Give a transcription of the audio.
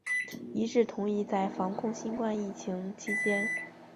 一致同意在防控新冠肺炎疫情期间